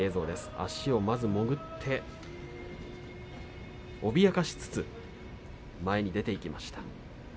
足をまず潜って、脅かしつつ前に出ていきました。